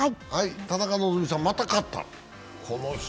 田中希実さん、また勝った。